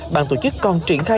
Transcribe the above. bàn tổ chức còn triển khai